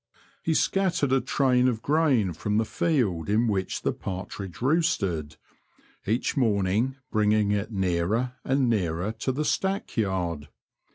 He scattered a train of grain from the field in which the partridge roosted, each morning bringing it nearer and nearer to the stack yard.